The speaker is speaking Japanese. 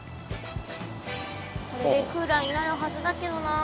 これでクーラーになるはずだけどな。